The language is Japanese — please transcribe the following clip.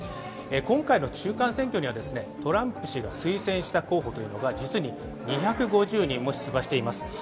今回の中間選挙にはトランプ氏が推薦した候補が実に２５０人も出馬しています。